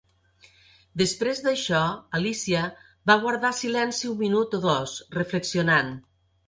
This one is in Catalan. Després d'això, Alícia va guardar silenci un minut o dos, reflexionant.